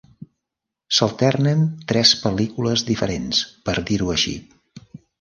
S'alternen tres pel·lícules diferents, per dir-ho així.